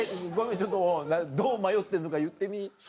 ちょっとどう迷ってんのか言ってみ。